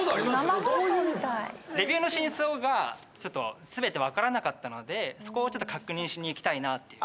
レビューの真相がちょっと全てわからなかったのでそこをちょっと確認しに行きたいなっていう。